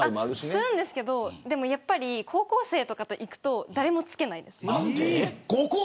するんですけど高校生とかと行くと誰もつけないです。